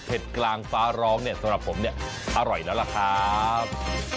เผ็ดกลางฟ้าร้องสำหรับผมอร่อยแล้วล่ะครับ